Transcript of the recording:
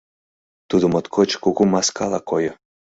Тудо моткоч кугу маскала койо.